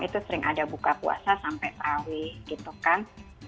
itu sering ada buka puasa sampai tawi gitu kan